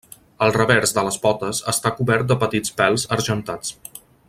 El revers de les potes està cobert de petits pèls argentats.